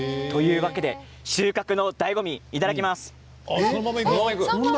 収穫のだいご味いただきます。